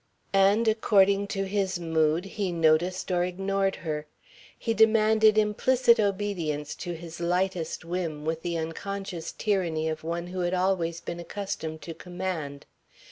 And, according to his mood, he noticed or ignored her. He demanded implicit obedience to his lightest whim with the unconscious tyranny of one who had always been accustomed to command.